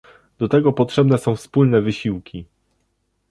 Do tego potrzebne są wspólne wysiłki